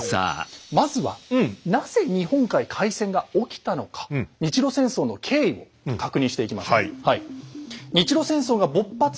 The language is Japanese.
まずはなぜ日本海海戦が起きたのか日露戦争の経緯を確認していきましょう。